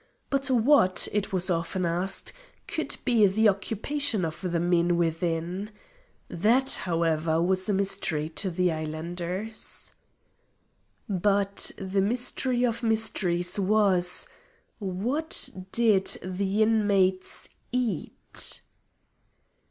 But what, it was often asked, could be the occupation of the men within? That, however, was a mystery to the islanders. But the mystery of mysteries was: What did the inmates eat?